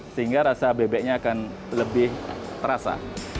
sehingga rasa bebeknya akan lebih terasa